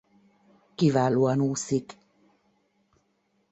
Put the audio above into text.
Kiválóan úszik.